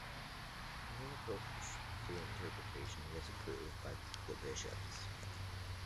A new approach to interpretation was approved by the bishops.